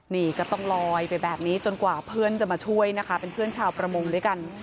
นี่ก็ต้องลอยไปแบบนี้จนกว่าเพื่อนจะมาช่วยนะคะเป็นเพื่อนชาวประมงด้วยกัน